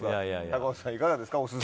高岡さん、いかがですか？